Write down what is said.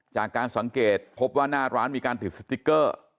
จากการสังเกตพบว่าหน้าร้านมีการติดสติ๊กเกอร์